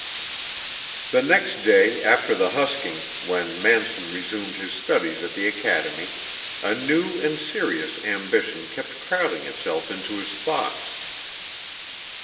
The next day after the husking, when Manson resumed his studies at the academy, a new and serious ambition kept crowding itself into his thoughts.